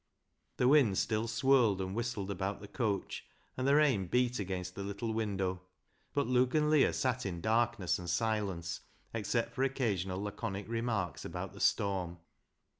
The wind still swirled and whistled about the coach, and the rain beat against the little window, but Luke and Leah sat in darkness and silence except for occasional laconic remarks about the storm.